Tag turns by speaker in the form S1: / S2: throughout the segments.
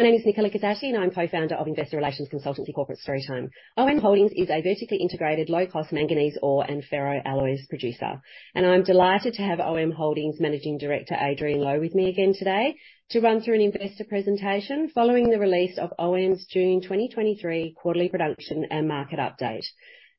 S1: My name is Nicola Gosatti, and I'm co-founder of Investor Relations Consultancy Corporate Storytime. OM Holdings is a vertically integrated, low-cost manganese ore and ferroalloys producer, and I'm delighted to have OM Holdings Managing Director, Adrian Low, with me again today to run through an investor presentation following the release of OM's June 2023 quarterly production and market update.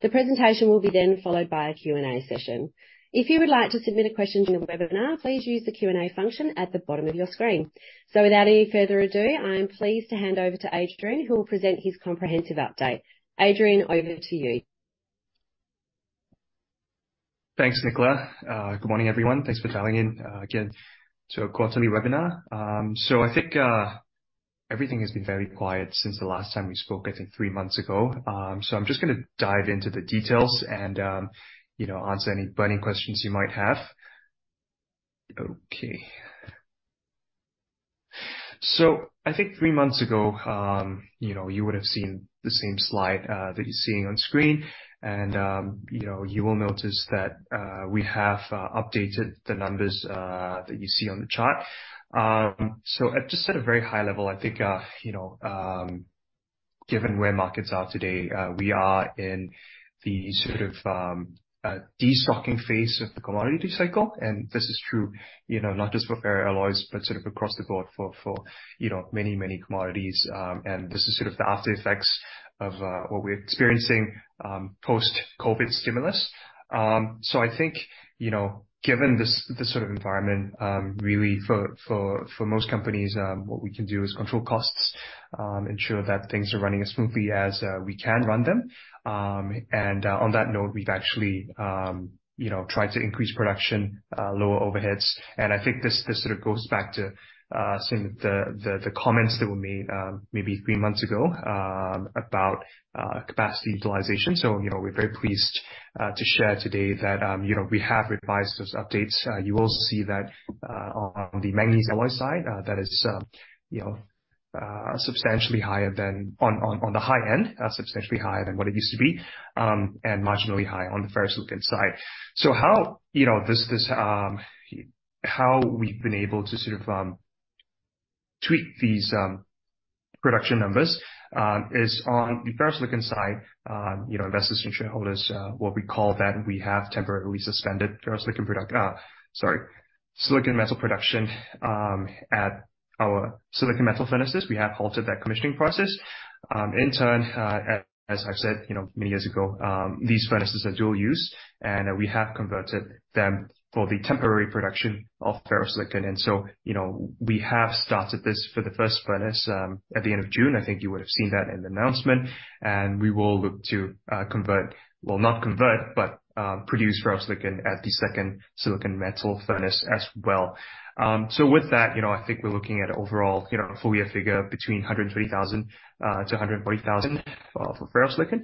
S1: The presentation will be then followed by a Q&A session. If you would like to submit a question during the webinar, please use the Q&A function at the bottom of your screen. Without any further ado, I am pleased to hand over to Adrian, who will present his comprehensive update. Adrian, over to you.
S2: Thanks, Nicola. Good morning, everyone. Thanks for dialing in again to our quarterly webinar. I think everything has been very quiet since the last time we spoke, I think three months ago. I'm just gonna dive into the details and, you know, answer any burning questions you might have. Okay. I think three months ago, you know, you would have seen the same slide that you're seeing on screen, and, you know, you will notice that we have updated the numbers that you see on the chart. Just at a very high level, I think, you know, given where markets are today, we are in the sort of destocking phase of the commodity cycle, this is true, you know, not just for ferroalloys, but sort of across the board for, for, you know, many, many commodities. This is sort of the aftereffects of what we're experiencing post-COVID stimulus. I think, you know, given this, this sort of environment, really for, for, for most companies, what we can do is control costs, ensure that things are running as smoothly as we can run them. On that note, we've actually, you know, tried to increase production, lower overheads. I think this, this sort of goes back to some of the comments that were made maybe 3 months ago about capacity utilization. You know, we're very pleased to share today that, you know, we have revised those updates. You will see that on the manganese alloy side, that is, you know, substantially higher than... On, on, on the high end, substantially higher than what it used to be, and marginally high on the ferrosilicon side. How, you know, this, this... How we've been able to sort of tweak these production numbers is on the ferrosilicon side, you know, investors and shareholders, what we call that, we have temporarily suspended sorry, silicon metal production at our silicon metal furnaces. We have halted that commissioning process. In turn, as, as I've said, you know, many years ago, these furnaces are dual use, and we have converted them for the temporary production of ferrosilicon. You know, we have started this for the first furnace at the end of June. I think you would have seen that in the announcement, and we will look to convert... Well, not convert, but produce ferrosilicon at the second silicon metal furnace as well. With that, you know, I think we're looking at overall, you know, full year figure between 120,000 to 140,000 for ferrosilicon.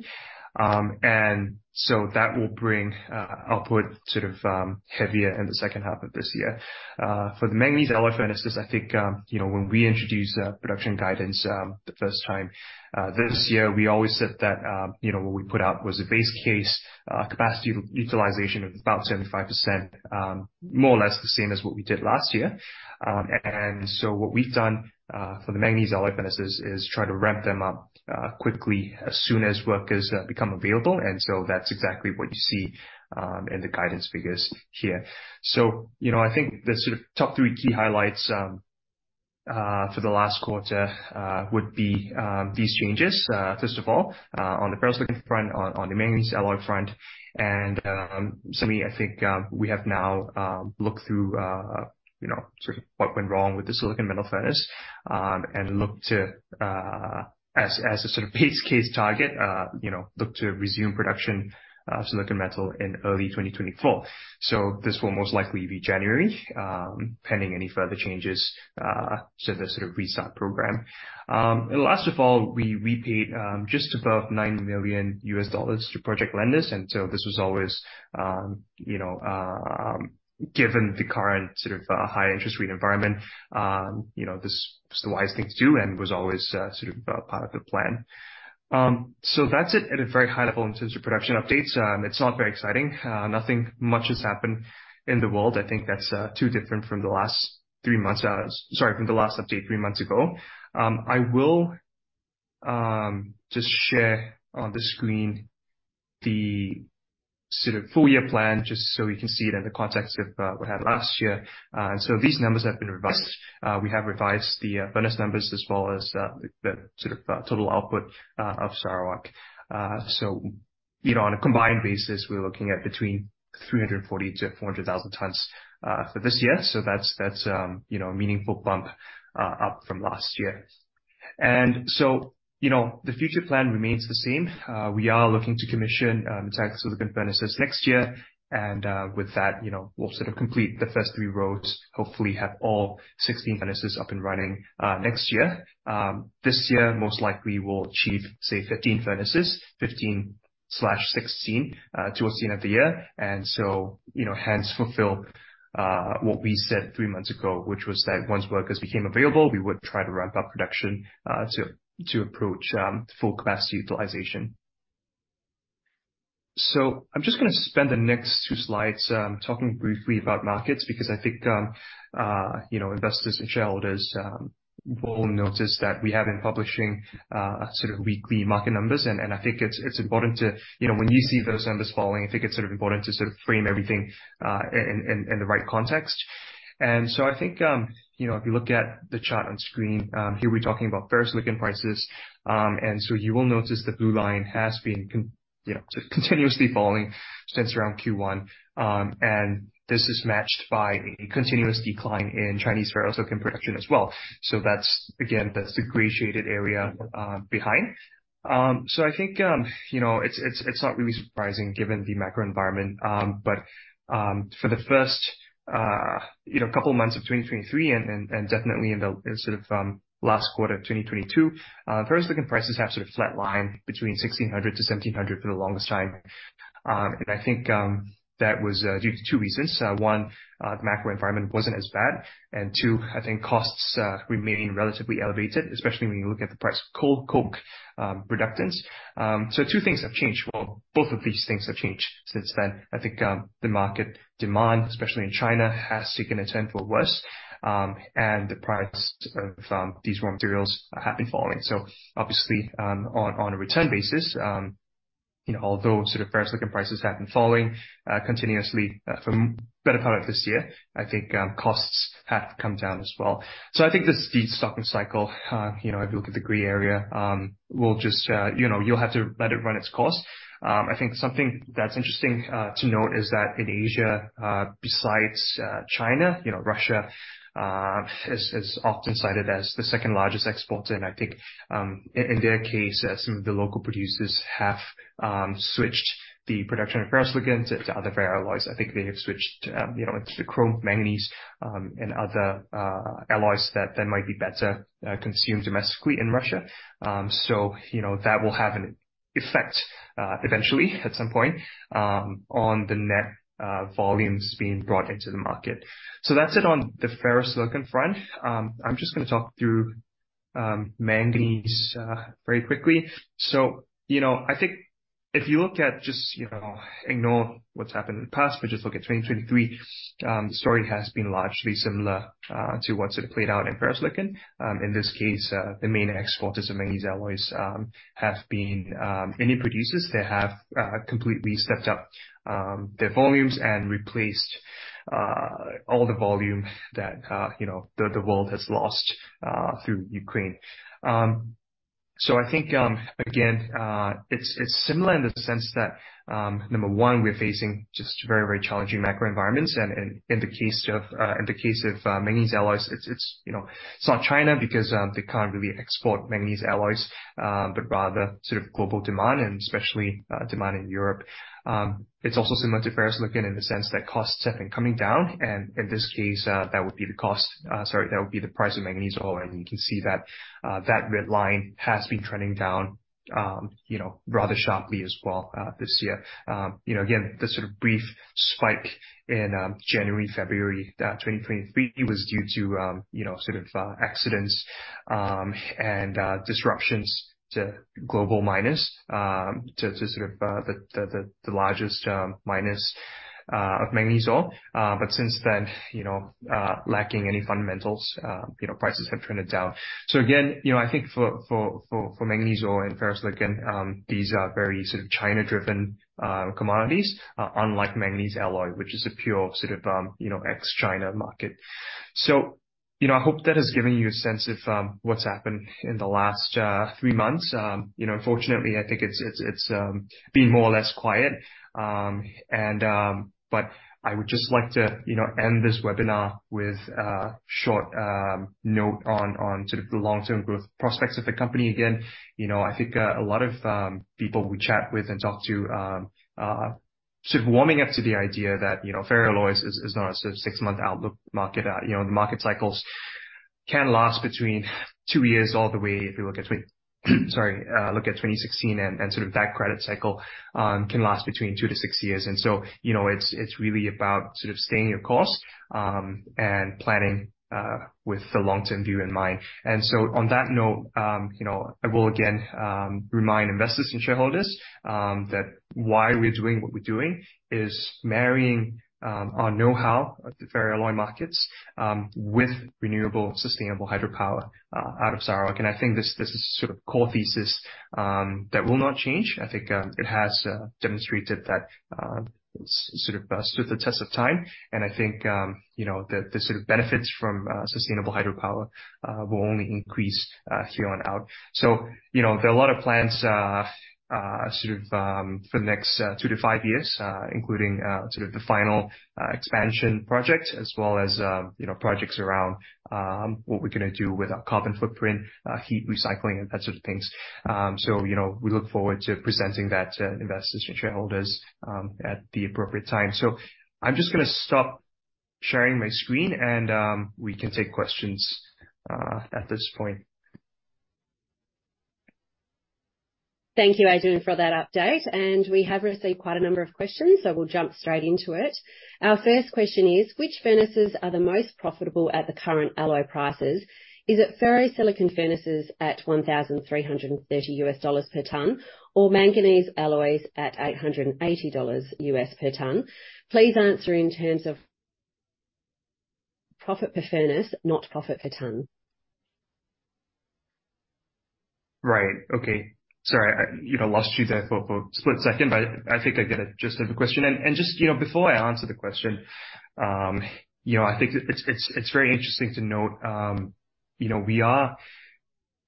S2: That will bring output sort of heavier in the second half of this year. For the manganese alloy furnaces, I think, you know, when we introduced production guidance, the first time this year, we always said that, you know, what we put out was a base case capacity utilization of about 75%, more or less the same as what we did last year. What we've done for the manganese alloy furnaces is try to ramp them up quickly as soon as workers become available, and so that's exactly what you see in the guidance figures here. You know, I think the sort of top 3 key highlights for the last quarter would be these changes, first of all, on the ferrosilicon front, on the manganese alloy front. Certainly, I think we have now looked through, you know, sort of what went wrong with the silicon metal furnace, and looked to, as, as a sort of base case target, you know, look to resume production, silicon metal in early 2024. This will most likely be January, pending any further changes to the sort of restart program. Last of all, we repaid just above $9 million to project lenders, and this was always, you know, given the current sort of high interest rate environment, you know, this was the wise thing to do and was always, sort of part of the plan. That's it at a very high level in terms of production updates. It's not very exciting. Nothing much has happened in the world. I think that's too different from the last 3 months, sorry, from the last update 3 months ago. I will just share on the screen the sort of full year plan, just so you can see it in the context of what happened last year. These numbers have been revised. We have revised the furnace numbers as well as the sort of total output of Sarawak. You know, on a combined basis, we're looking at between 340,000-400,000 tons for this year. That's, that's, you know, a meaningful bump up from last year. You know, the future plan remains the same. We are looking to commission the Titan silicon furnaces next year, with that, you know, we'll sort of complete the first three roads, hopefully have all 16 furnaces up and running next year. This year, most likely, we'll achieve, say, 15 furnaces, 15/16, towards the end of the year, you know, hence fulfill what we said three months ago, which was that once workers became available, we would try to ramp up production to, to approach full capacity utilization. I'm just gonna spend the next two slides, talking briefly about markets, because I think, you know, investors and shareholders, will notice that we have been publishing, sort of weekly market numbers, and I think it's important to, you know, when you see those numbers falling, I think it's sort of important to sort of frame everything, in, in, in the right context. I think, you know, if you look at the chart on screen, here we're talking about ferrosilicon prices. You will notice the blue line has been, you know, continuously falling since around Q1. This is matched by a continuous decline in Chinese ferrosilicon production as well. That's, again, that's the gray shaded area, behind. I think, you know, it's, it's, it's not really surprising given the macro environment, but for the first, you know, couple months of 2023 and, and, and definitely in the, sort of, last quarter of 2022, ferrosilicon prices have sort of flatlined between $1,600 to $1,700 for the longest time. And I think that was due to two reasons: one, the macro environment wasn't as bad, and two, I think costs remaining relatively elevated, especially when you look at the price of coal coke, reductions. Two things have changed. Well, both of these things have changed since then. I think the market demand, especially in China, has taken a turn for worse, and the price of these raw materials have been falling. obviously, on, on a return basis, you know, although sort of ferrosilicon prices have been falling continuously for better part of this year, I think costs have come down as well. I think the steep stocking cycle, you know, if you look at the gray area, will just. You know, you'll have to let it run its course. I think something that's interesting to note is that in Asia, besides China, you know, Russia is often cited as the second largest exporter, and I think in their case, some of the local producers have switched the production of ferrosilicon to other ferroalloys. I think they have switched, you know, into the chrome, manganese, and other alloys that might be better consumed domestically in Russia. You know, that will have an effect eventually, at some point, on the net volumes being brought into the market. That's it on the ferrosilicon front. I'm just gonna talk through manganese very quickly. You know, I think if you look at just, you know, ignore what's happened in the past, but just look at 2023, the story has been largely similar to what sort of played out in ferrosilicon. In this case, the main exporters of manganese alloys have been Indian producers. They have completely stepped up their volumes and replaced all the volume that, you know, the world has lost through Ukraine. I think, again, it's, it's similar in the sense that, number one, we're facing just very, very challenging macro environments, and, and in the case of, in the case of, manganese alloys, it's, it's, you know, it's not China, because, they can't really export manganese alloys, but rather sort of global demand and especially, demand in Europe. It's also similar to ferrosilicon in the sense that costs have been coming down, and in this case, that would be the cost. Sorry, that would be the price of manganese ore. You can see that, that red line has been trending down, you know, rather sharply as well, this year. You know, again, the sort of brief spike in January, February 2023 was due to, you know, sort of, accidents and disruptions to global miners, to sort of, the largest miners of manganese ore. Since then, you know, lacking any fundamentals, prices have trended down. Again, you know, I think for manganese ore and ferrosilicon, these are very sort of China-driven commodities, unlike manganese alloy, which is a pure sort of, you know, ex-China market. You know, I hope that has given you a sense of what's happened in the last 3 months. You know, fortunately, I think it's been more or less quiet. I would just like to, you know, end this webinar with a short note on, on sort of the long-term growth prospects of the company. Again, you know, I think, a lot of people we chat with and talk to, are sort of warming up to the idea that, you know, ferroalloys is, is not a sort of 6-month outlook market. You know, the market cycles can last between 2 years, all the way, if you look at 2016, and, and sort of that credit cycle, can last between 2 to 6 years. You know, it's, it's really about sort of staying your course, and planning, with the long-term view in mind. On that note, you know, I will again remind investors and shareholders that why we're doing what we're doing is marrying our know-how of the ferroalloy markets with renewable, sustainable hydropower out of Sarawak. I think this is sort of core thesis that will not change. I think it has demonstrated that, sort of, stood the test of time. I think, you know, the sort of benefits from sustainable hydropower will only increase here on out. You know, there are a lot of plans, sort of, for the next 2 to 5 years, including, sort of the final, expansion project, as well as, you know, projects around, what we're gonna do with our carbon footprint, heat recycling, and that sort of things. You know, we look forward to presenting that to investors and shareholders, at the appropriate time. I'm just gonna stop sharing my screen, and, we can take questions, at this point. Thank you, Adrian, for that update. We have received quite a number of questions, so we'll jump straight into it. Our first question is: Which furnaces are the most profitable at the current alloy prices? Is it ferrosilicon furnaces at $1,330 per tonne, or manganese alloys at $880 per tonne? Please answer in terms-... profit per furnace, not profit per ton? Right. Okay. Sorry, I, you know, lost you there for, for a split second, but I think I get it just as a question. Just, you know, before I answer the question, you know, I think it's, it's, it's very interesting to note, you know, we are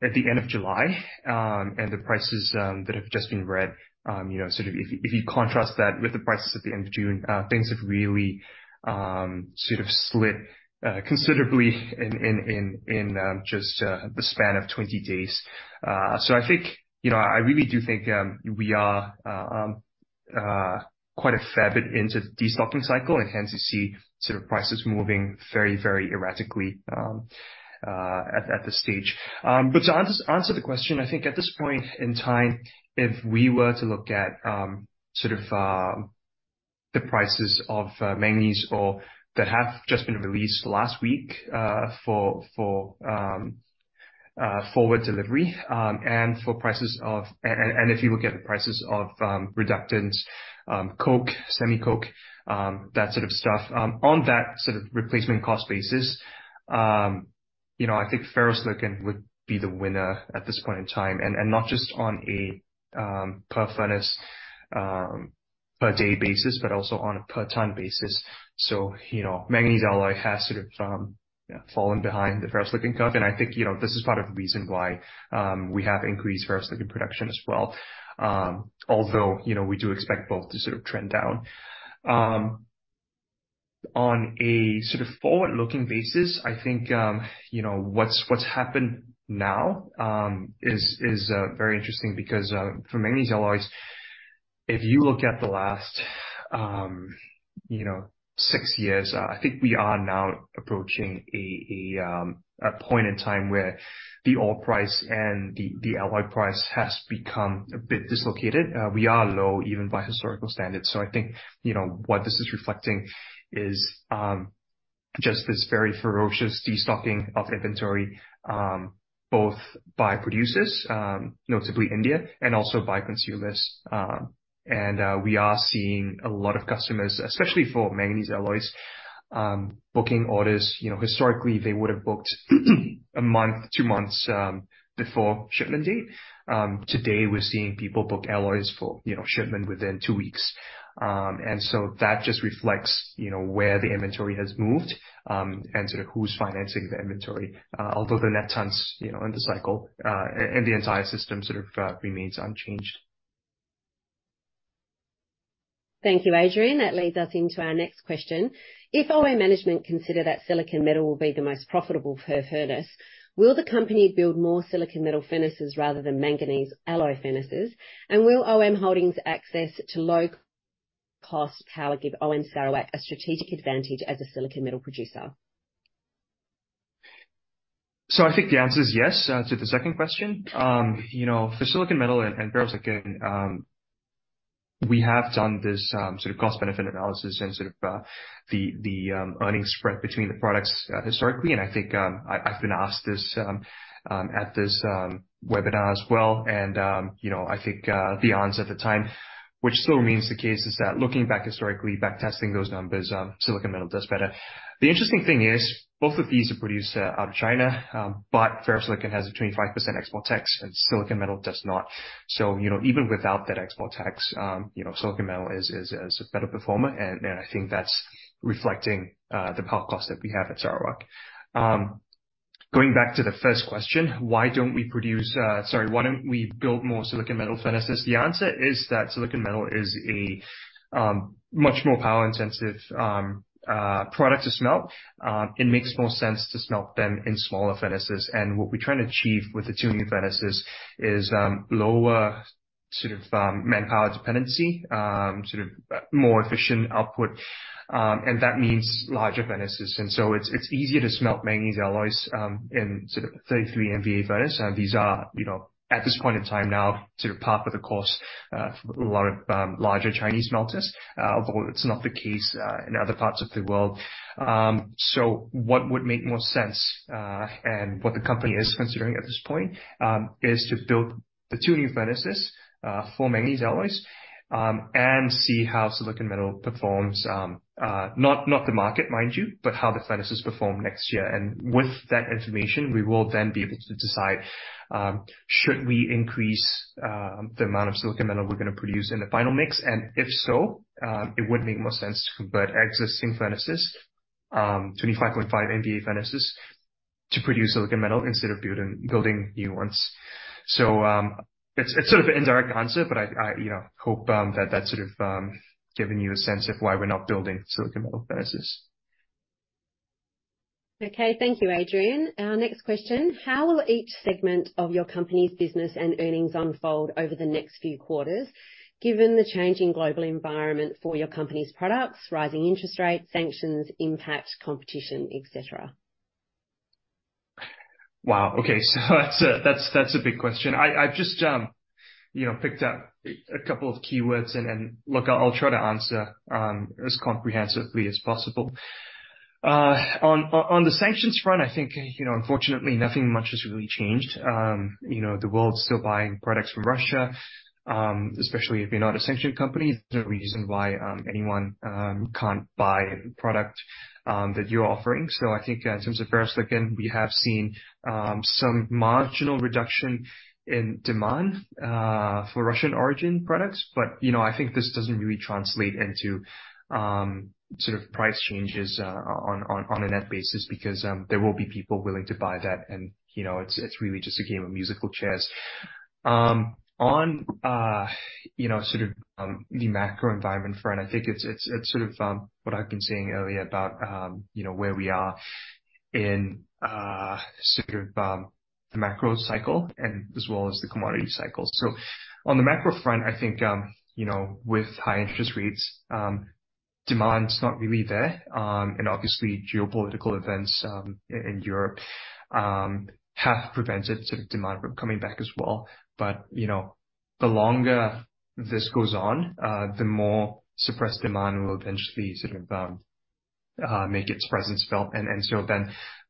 S2: at the end of July, and the prices that have just been read, you know, sort of if, if you contrast that with the prices at the end of June, things have really sort of slid considerably in just the span of 20 days. I think, you know, I really do think we are quite a fair bit into the destocking cycle, and hence you see sort of prices moving very, very erratically at this stage. To answer the question, I think at this point in time, if we were to look at the prices of manganese ore that have just been released last week for forward delivery, and if you look at the prices of reductant, coal coke, semi-coke, that sort of stuff, on that sort of replacement cost basis, you know, I think ferrosilicon would be the winner at this point in time, and not just on a per furnace per day basis, but also on a per ton basis. You know, manganese alloy has sort of fallen behind the ferrosilicon curve, and I think, you know, this is part of the reason why we have increased ferrosilicon production as well, although, you know, we do expect both to sort of trend down. On a sort of forward-looking basis, I think, you know, what's, what's happened now is very interesting because for manganese alloys, if you look at the last, you know, six years, I think we are now approaching a point in time where the oil price and the alloy price has become a bit dislocated. We are low, even by historical standards. I think, you know, what this is reflecting is, just this very ferocious destocking of inventory, both by producers, notably India, and also by consumers. And, we are seeing a lot of customers, especially for manganese alloys, booking orders. You know, historically, they would've booked a month, 2 months, before shipment date. Today, we're seeing people book alloys for, you know, shipment within 2 weeks. And so that just reflects, you know, where the inventory has moved, and sort of who's financing the inventory, although the net tons, you know, in the cycle, and the entire system sort of, remains unchanged.
S1: Thank you, Adrian. That leads us into our next question. If OM management consider that silicon metal will be the most profitable per furnace, will the company build more silicon metal furnaces rather than manganese alloy furnaces? Will OM Holdings' access to low-cost power give OM Sarawak a strategic advantage as a silicon metal producer?
S2: I think the answer is yes to the second question. You know, for silicon metal and ferrosilicon, we have done this sort of cost-benefit analysis and sort of the earning spread between the products historically, and I think I've been asked this at this webinar as well, and you know, I think the answer at the time, which still remains the case, is that looking back historically, back testing those numbers, silicon metal does better. The interesting thing is, both of these are produced out of China, but ferrosilicon has a 25% export tax, and silicon metal does not. You know, even without that export tax, you know, silicon metal is, is, is a better performer, and, and I think that's reflecting the power cost that we have at Sarawak. Going back to the first question, why don't we produce... Sorry, why don't we build more silicon metal furnaces? The answer is that silicon metal is a much more power-intensive product to smelt. It makes more sense to smelt them in smaller furnaces. What we're trying to achieve with the two new furnaces is lower sort of manpower dependency, sort of more efficient output, and that means larger furnaces. It's, it's easier to smelt manganese alloys in sort of 33 MVA furnace. These are, you know, at this point in time now, sort of par for the course, for a lot of larger Chinese smelters, although it's not the case in other parts of the world. What would make more sense, and what the company is considering at this point, is to build the 2 new furnaces for manganese alloys, and see how silicon metal performs, not, not the market, mind you, but how the furnaces perform next year. With that information, we will then be able to decide, should we increase the amount of silicon metal we're gonna produce in the final mix, and if so, it would make more sense to convert existing furnaces, 25.5 MVA furnaces, to produce silicon metal instead of building, building new ones. It's, it's sort of an indirect answer, but I, I, you know, hope that that's sort of given you a sense of why we're not building silicon metal furnaces.
S1: Okay. Thank you, Adrian. Our next question: How will each segment of your company's business and earnings unfold over the next few quarters, given the changing global environment for your company's products, rising interest rates, sanctions impact, competition, et cetera?
S2: Wow, okay. That's a, that's, that's a big question. I, I've just, you know, picked out a, a couple of keywords. Look, I'll, I'll try to answer, as comprehensively as possible. On, on the sanctions front, I think, you know, unfortunately, nothing much has really changed. You know, the world's still buying products from Russia, especially if you're not a sanctioned company, there's no reason why, anyone, can't buy product, that you're offering. I think in terms of ferrosilicon, we have seen, some marginal reduction in demand, for Russian origin products. You know, I think this doesn't really translate into, sort of price changes, on, on, on a net basis, because, there will be people willing to buy that, you know, it's, it's really just a game of musical chairs. On, you know, sort of the macro environment front, I think it's, it's, it's sort of what I've been saying earlier about, you know, where we are in, sort of the macro cycle and as well as the commodity cycle. On the macro front, I think, you know, with high interest rates, demand's not really there. Obviously, geopolitical events in Europe have prevented sort of demand from coming back as well. You know, the longer this goes on, the more suppressed demand will eventually sort of make its presence felt.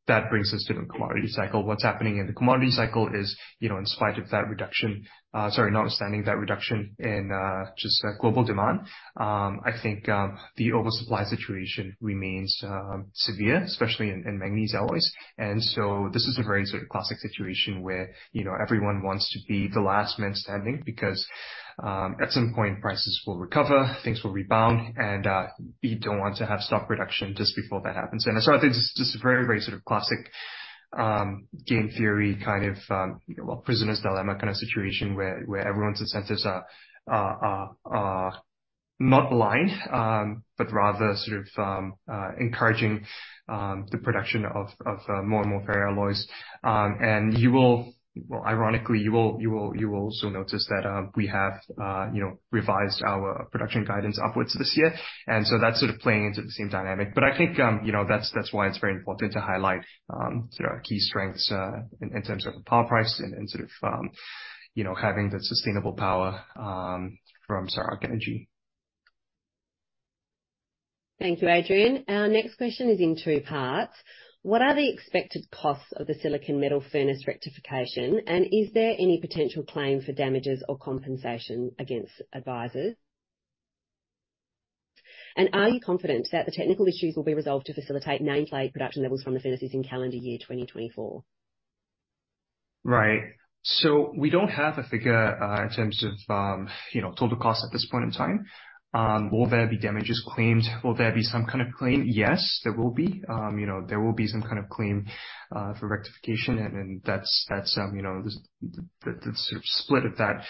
S2: That brings us to the commodity cycle. What's happening in the commodity cycle is, you know, in spite of that reduction, sorry, notwithstanding that reduction in just global demand, I think the oversupply situation remains severe, especially in manganese alloys. This is a very sort of classic situation where, you know, everyone wants to be the last man standing, because at some point, prices will recover, things will rebound, and you don't want to have stock reduction just before that happens. I think it's just a very, very sort of classic game theory, kind of, well, prisoner's dilemma kind of situation, where everyone's incentives are not aligned, but rather sort of encouraging the production of more and more ferroalloys. Well, ironically, you will also notice that, we have, you know, revised our production guidance upwards this year. So that's sort of playing into the same dynamic. I think, you know, that's, that's why it's very important to highlight, sort of our key strengths, in terms of the power price and sort of, you know, having the sustainable power, from Sarawak Energy.
S1: Thank you, Adrian. Our next question is in two parts: What are the expected costs of the silicon metal furnace rectification, and is there any potential claim for damages or compensation against advisors? Are you confident that the technical issues will be resolved to facilitate nameplate production levels from the furnaces in calendar year 2024?
S2: Right. We don't have a figure, in terms of, you know, total cost at this point in time. Will there be damages claimed? Will there be some kind of claim? Yes, there will be. You know, there will be some kind of claim for rectification, and that's, that's, you know, the split of that,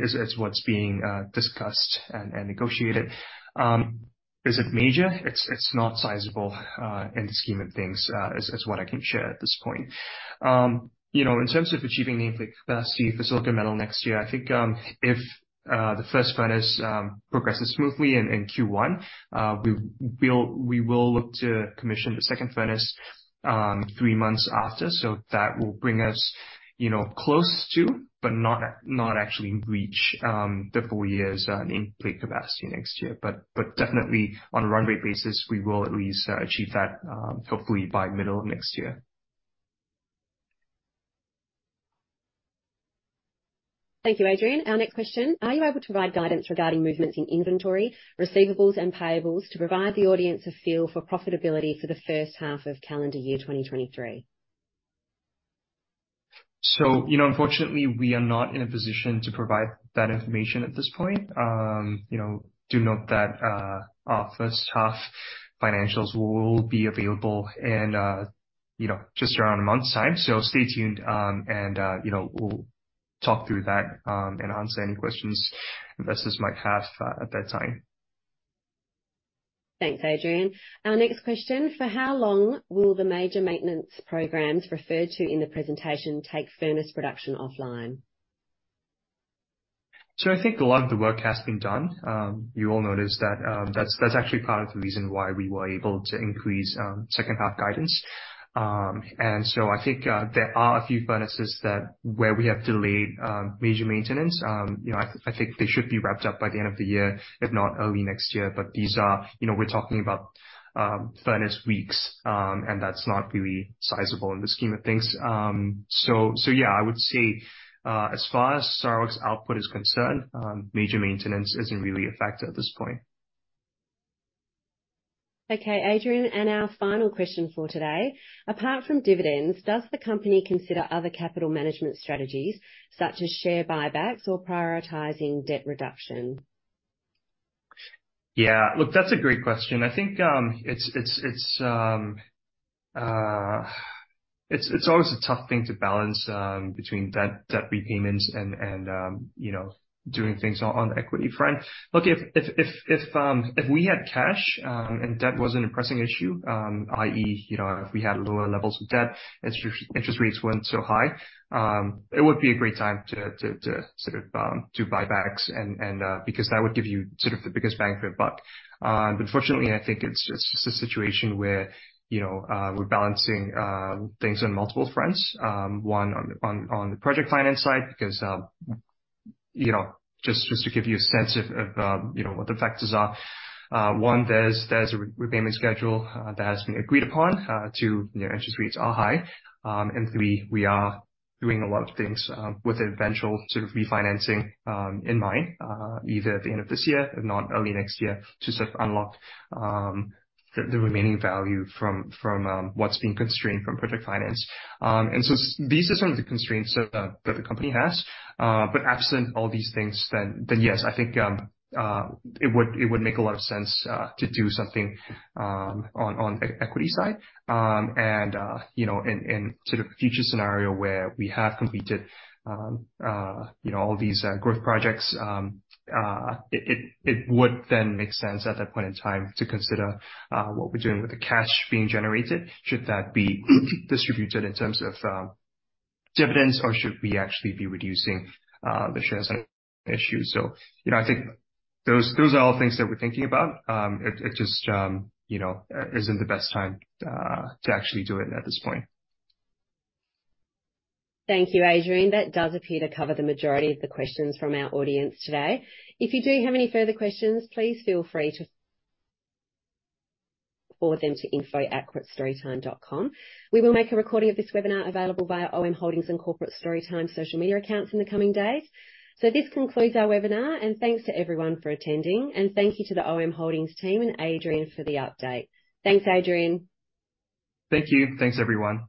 S2: is what's being discussed and negotiated. Is it major? It's not sizable, in the scheme of things, is what I can share at this point. You know, in terms of achieving the capacity for silicon metal next year, I think, if the first furnace progresses smoothly in Q1, we'll, we will look to commission the second furnace three months after. That will bring us, you know, close to, but not, not actually in reach, the four years nameplate capacity next year. Definitely on a runway basis, we will at least achieve that, hopefully by middle of next year.
S1: Thank you, Adrian. Our next question: Are you able to provide guidance regarding movements in inventory, receivables, and payables to provide the audience a feel for profitability for the first half of calendar year 2023?
S2: You know, unfortunately, we are not in a position to provide that information at this point. You know, do note that our first half financials will be available in, you know, just around a month's time. Stay tuned, and, you know, we'll talk through that and answer any questions investors might have at that time.
S1: Thanks, Adrian. Our next question: For how long will the major maintenance programs referred to in the presentation take furnace production offline?
S2: I think a lot of the work has been done. You will notice that, that's actually part of the reason why we were able to increase second half guidance. I think there are a few furnaces where we have delayed major maintenance. You know, I think they should be wrapped up by the end of the year, if not early next year. These are, you know, we're talking about furnace weeks, and that's not really sizable in the scheme of things. Yeah, I would say, as far as Sarawak's output is concerned, major maintenance isn't really a factor at this point.
S1: Okay, Adrian, our final question for today: Apart from dividends, does the company consider other capital management strategies, such as share buybacks or prioritizing debt reduction?
S2: Yeah, look, that's a great question. I think, it's always a tough thing to balance between debt, debt repayments and, you know, doing things on the equity front. Look, if we had cash, and debt wasn't a pressing issue, i.e., you know, if we had lower levels of debt, interest, interest rates weren't so high, it would be a great time to sort of do buybacks and because that would give you sort of the biggest bang for your buck. Unfortunately, I think it's, it's just a situation where, you know, we're balancing things on multiple fronts. One on, on, on the project finance side, because, you know, just, just to give you a sense of, of, you know, what the factors are. One, there's, there's a repayment schedule, that has been agreed upon. Two, you know, interest rates are high. Three, we are doing a lot of things, with the eventual sort of refinancing, in mind, either at the end of this year, if not early next year, to sort of unlock, the, the remaining value from, from, what's being constrained from project finance. These are some of the constraints that, that the company has. Absent all these things, then, then yes, I think, it would, it would make a lot of sense, to do something, on, on equity side. You know, in, in sort of future scenario where we have completed, you know, all these growth projects, it, it, it would then make sense at that point in time to consider what we're doing with the cash being generated, should that be distributed in terms of dividends, or should we actually be reducing the shares issues. You know, I think those, those are all things that we're thinking about. It, it just, you know, isn't the best time to actually do it at this point.
S1: Thank you, Adrian. That does appear to cover the majority of the questions from our audience today. If you do have any further questions, please feel free to forward them to info@corporatestorytime.com. We will make a recording of this webinar available via OM Holdings and Corporate Storytime social media accounts in the coming days. This concludes our webinar, and thanks to everyone for attending. Thank you to the OM Holdings team and Adrian for the update. Thanks, Adrian.
S2: Thank you. Thanks, everyone.